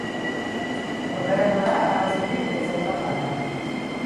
Okerrena da arrazoirik ez zaiola falta.